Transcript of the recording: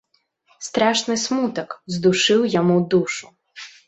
Страшны смутак здушыў яму душу.